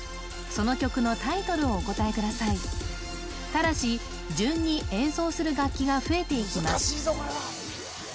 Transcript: その曲のタイトルをお答えくださいただし順に演奏する楽器が増えていきます